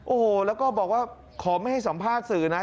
โอ้โหแล้วก็บอกว่าขอไม่ให้สัมภาษณ์สื่อนะ